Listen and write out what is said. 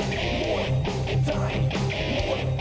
มุนทัน